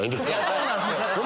そうなんすよ。